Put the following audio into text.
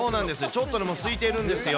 ちょっとすいてるんですよ。